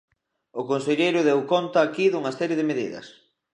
O conselleiro deu conta aquí dunha serie de medidas.